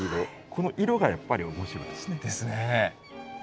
この色がやっぱり面白いですね。ですね。